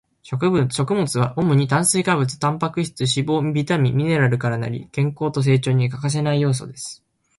食物は主に炭水化物、タンパク質、脂肪、ビタミン、ミネラルから成り、健康と成長に欠かせない要素です